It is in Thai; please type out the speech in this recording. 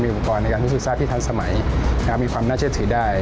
อุปกรณ์ในการพิสูจน์ทราบที่ทันสมัยมีความน่าเชื่อถือได้